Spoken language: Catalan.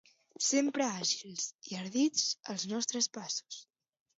Sempre àgils i ardits els nostres passos.